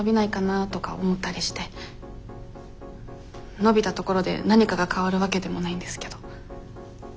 伸びたところで何かが変わるわけでもないんですけど。